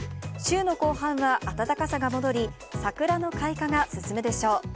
週の後半は暖かさが戻り、桜の開花が進むでしょう。